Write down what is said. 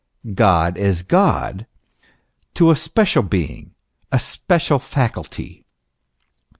God as God, to a special being, a special faculty.